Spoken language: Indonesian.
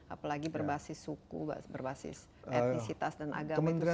apalagi berbasis suku berbasis etnisitas dan agama itu sendiri